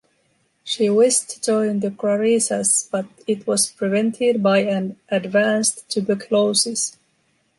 She wished to join the Clarisas, but it was prevented by an advanced tuberculosis.